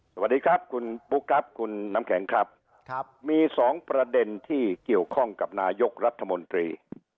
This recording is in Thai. สวัสดีครับคุณปุ๊กครับคุณน้ำแข็งครับมีสองประเด็นที่เกี่ยวข้องกับนายกรัฐมนตรี